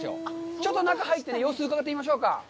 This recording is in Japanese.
ちょっと中に入って様子を伺ってみましょうか。